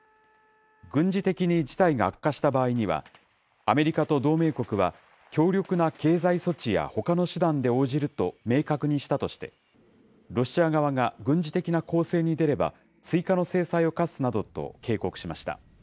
軍事的に事態が悪化した場合には、アメリカと同盟国は、強力な経済措置やほかの手段で応じると明確にしたとして、ロシア側が軍事的な攻勢に出れば、追加の制裁を科すなどと警告しました。